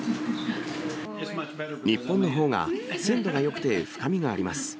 日本のほうが鮮度がよくて深みがあります。